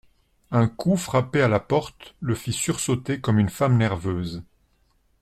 Un coup frappé à la porte le fit sursauter comme une femme nerveuse.